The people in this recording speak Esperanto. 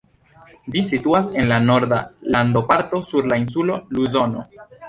Ĝi situas en la norda landoparto, sur la insulo Luzono.